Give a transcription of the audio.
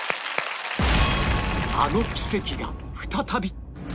あの奇跡が再び